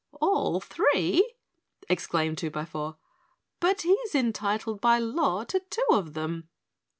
"All three!" exclaimed Twobyfour. "But he's entitled by law to two of them."